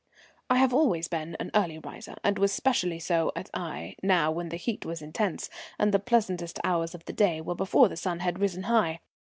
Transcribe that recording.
I have always been an early riser, and was specially so at Aix, now when the heat was intense, and the pleasantest hours of the day were before the sun had risen high.